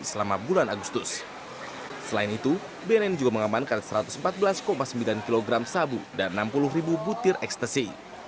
selain itu bnn juga mengamankan satu ratus empat belas sembilan kg sabu dan enam puluh butir ekstasi